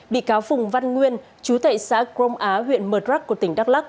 bị cáo phùng văn nguyên chú tại xã crong á huyện mật rắc của tỉnh đắk lắc